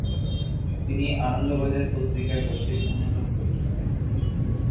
তিনি আনন্দবাজার পত্রিকা গোষ্ঠীর অন্যতম প্রতিষ্ঠাতা।